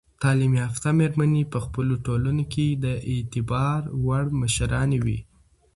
تعلیم یافته میرمنې په خپلو ټولنو کې د اعتبار وړ مشرانې وي.